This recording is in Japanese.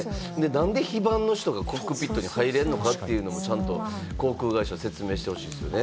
なんで非番の人がコックピットに入れんのかというのも航空会社、説明してほしいですよね。